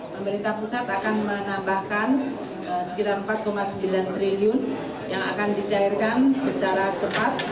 pemerintah pusat akan menambahkan sekitar rp empat sembilan triliun yang akan dicairkan secara cepat